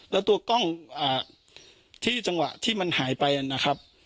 แล้วตัวกล้องที่จังหวะที่มันหายไปนะครับ